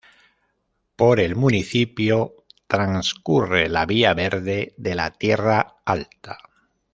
Por el municipio transcurre la Vía verde de la Tierra Alta.